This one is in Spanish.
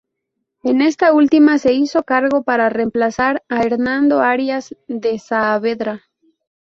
En esta última se hizo cargo para reemplazar a Hernando Arias de Saavedra.